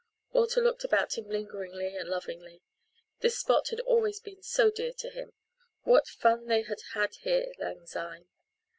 Walter looked about him lingeringly and lovingly. This spot had always been so dear to him. What fun they all had had here lang syne.